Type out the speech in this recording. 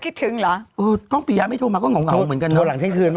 คิดถึงเหรอโค้งพี่ย้าไม่โทรมนั่งเหมือนกันเท่าแหลมใช่ไหม